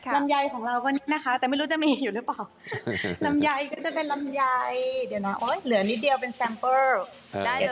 ลำไยของเราก็นะคะแต่ไม่รู้จะมีอยู่หรือเปล่าลำไยก็จะเป็นลำไยเดี๋ยวนะโอ๊ยเหลือนิดเดียวเป็นแซมเปิ้ลได้เลย